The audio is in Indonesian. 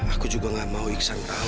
aku juga gak mau iksan tahu